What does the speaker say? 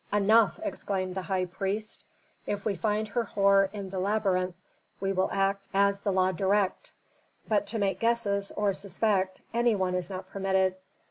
"Enough!" exclaimed the high priest. "If we find Herhor in the labyrinth we will act as the law directs. But to make guesses, or suspect, any one is not permitted.